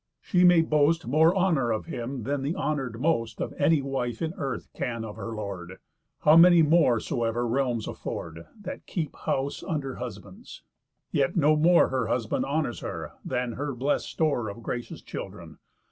She may boast More honour of him than the honour'd most Of any wife in earth can of her lord, How many more soever realms afford, That keep house under husbands. Yet no more Her husband honours her, than her blest store Of gracious children.